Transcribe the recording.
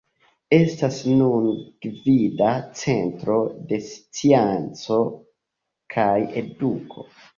Estas nun gvida centro de scienco kaj eduko.